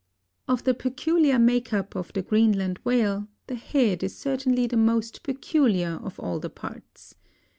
Of the peculiar make up of the Greenland Whale the head is certainly the most peculiar of all the parts.